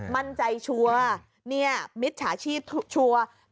มั่นใจชัวร์มิตรชาชีพชัวร์